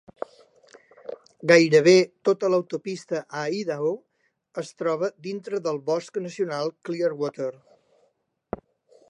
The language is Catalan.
Gairebé tota l'autopista a Idaho es troba dintre del Bosc Nacional Clearwater.